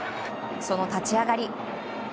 その立ち上がり。